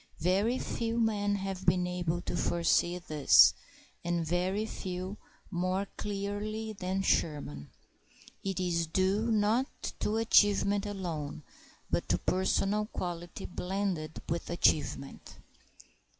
Very few men have been able to foresee this, and very few more clearly than Sherman. It is due not to achievement alone, but to personal quality blended with achievement.